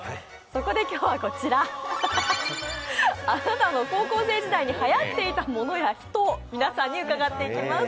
そこで今日はこちら、あなたの高校生時代にはやっていた物や人を皆さんに伺っていきます。